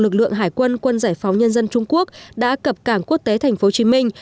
lực lượng hải quân quân giải phóng nhân dân trung quốc đã cập cảng quốc tế thành phố hồ chí minh